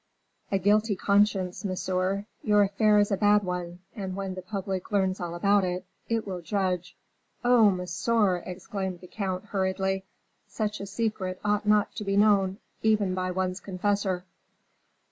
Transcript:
"A guilty conscience, monsieur. Your affair is a bad one, and when the public learns all about it, it will judge " "Oh, monsieur!" exclaimed the count, hurriedly, "such a secret ought not to be known even by one's confessor."